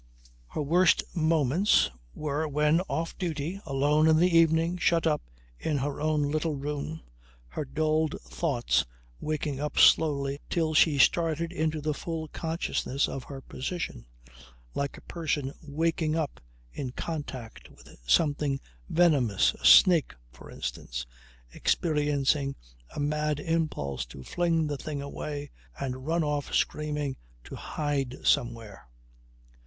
Her worst moments were when off duty alone in the evening, shut up in her own little room, her dulled thoughts waking up slowly till she started into the full consciousness of her position, like a person waking up in contact with something venomous a snake, for instance experiencing a mad impulse to fling the thing away and run off screaming to hide somewhere.